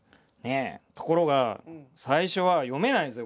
ところが最初は読めないんですよ